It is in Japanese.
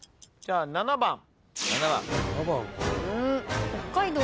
じゃあ７番。